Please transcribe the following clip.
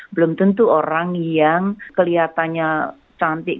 belum tentu orang yang kelihatannya cantik